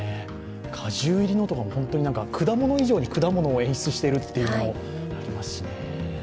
果汁入りのとかも、果物以上に果物を演出しているものもありますしね。